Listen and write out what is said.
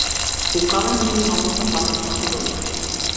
Колкава е минималната плата во Македонија?